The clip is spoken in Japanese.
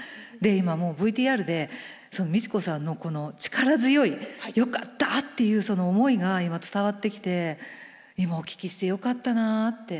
今もＶＴＲで美智子さんの力強いよかったっていう思いが今伝わってきて今お聞きしてよかったなって。